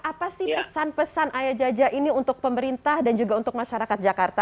apa sih pesan pesan ayah jaja ini untuk pemerintah dan juga untuk masyarakat jakarta